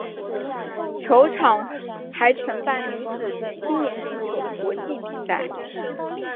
球场还承办女子及青年足球的国际比赛。